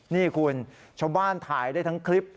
นี่คุณชาวบ้านถ่ายได้ทั้งคลิป